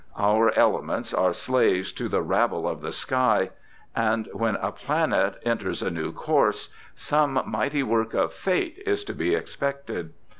Our elements are slaves to the ' rabble of the sky ', and when a planet enters a new course some mighty 290 BIOGRAPHICAL ESSAYS work of Fate is to be expected.